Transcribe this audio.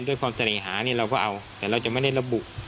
ด้วยความเจริญหาเนี่ยเราก็เอาแต่เราจะไม่ได้ระบุ